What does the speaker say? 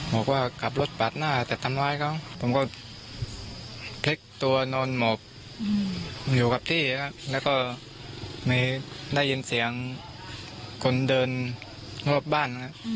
ไม่ได้ยินเสียงคนเดินรอบบ้านอะ